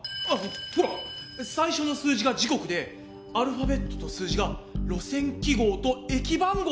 ほら最初の数字が時刻でアルファベットと数字が路線記号と駅番号！